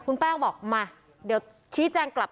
คุณพ่อคุณว่าไง